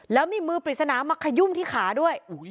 แล้วมีมือปริศนามาขยุ่มที่ขาด้วย